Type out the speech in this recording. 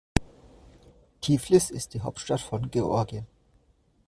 Tiflis ist die Hauptstadt von Georgien.